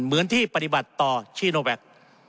เหมือนที่ปฏิบัติต่อชีโนแวค